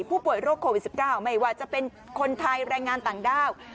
ผู้ป่วยโรคโควิด๑๙ไม่ว่าจะเป็นคนไทยแรงงานต่างด้าว